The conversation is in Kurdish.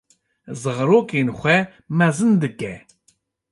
zarokên xwe mezin dike.